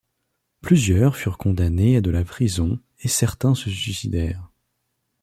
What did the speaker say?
Plusieurs furent condamnés à de la prison et certains se suicidèrent.